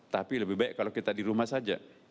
tapi lebih baik kalau kita di rumah saja